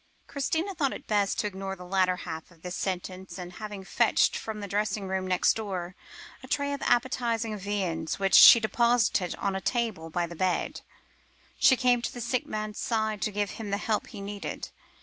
Christina thought it best to ignore the latter half of this sentence, and having fetched from the dressing room next door, a tray of appetising viands, which she deposited on a table by the bed, she came to the sick man's side to give him the help he needed.